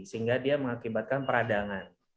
sehingga dia mengakibatkan peradangan